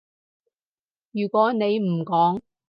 如果你唔講